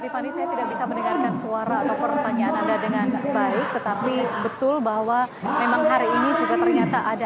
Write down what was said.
pertanyaan dari pemerintah